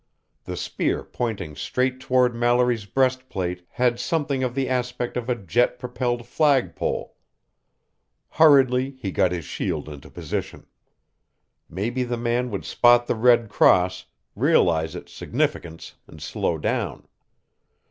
The spear pointing straight toward Mallory's breastplate had something of the aspect of a jet propelled flagpole. Hurriedly, he got his shield into position. Maybe the man would spot the red cross, realize its significance, and slow down.